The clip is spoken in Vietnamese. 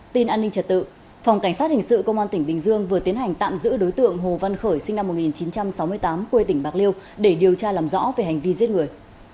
tin an ninh trật tự phòng cảnh sát hình sự công an tỉnh bình dương vừa tiến hành tạm giữ đối tượng hồ văn khởi sinh năm một nghìn chín trăm sáu mươi tám quê tỉnh bạc liêu để điều tra làm rõ về hành vi giết người